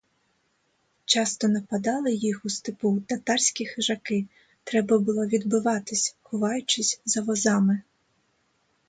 Часто нападали їх у степу татарські хижаки, треба було відбиватись, ховаючись за возами.